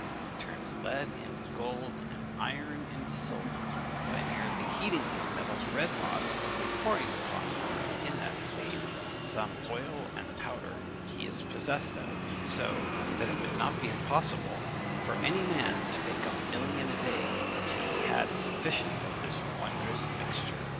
He turns lead into gold, and iron into silver, by merely heating these metals red hot, and pouring upon them in that state some oil and powder he is possessed of; so that it would not be impossible for any man to make a million a day, if he had sufficient of this wondrous mixture.